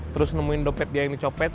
terus nemuin dompet dia yang dicopet